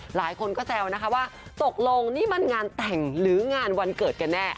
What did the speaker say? หลายคนก็แซวนะคะว่าตกลงนี่มันงานแต่งหรืองานวันเกิดกันแน่